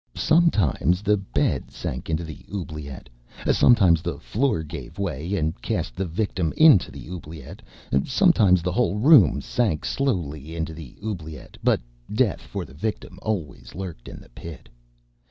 Sometimes the bed sank into the oubliette; sometimes the floor gave way and cast the victim into the oubliette; sometimes the whole room sank slowly into the oubliette; but death for the victim always lurked in the pit.